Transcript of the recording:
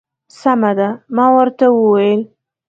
سمه ده. ما ورته وویل.